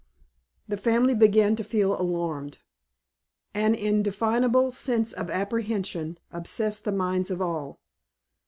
The family began to feel alarmed. An indefinable sense of apprehension oppressed the minds of all.